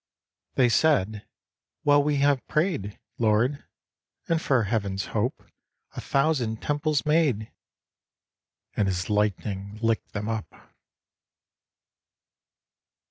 They said, 'Well we have pray'd, Lord, and for Heaven's hope A thousand temples made.' And His lightning lickt them up.